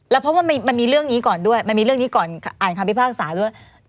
แล้วเพราะว่ามันมีเรื่องนี้ก่อนด้วยมันมีเรื่องนี้ก่อนอ่านคำพิพากษาด้วย